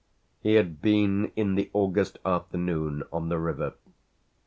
He had been in the August afternoon on the river.